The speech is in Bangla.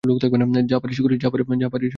যা পারিস করিস।